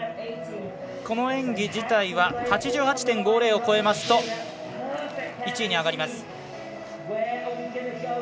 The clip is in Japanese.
この演技自体は８８．５０を超えますと１位に上がります。